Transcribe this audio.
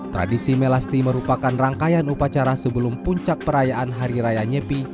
tradisi melasti merupakan rangkaian upacara sebelum puncak perayaan hari raya nyepi